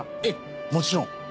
えぇもちろん。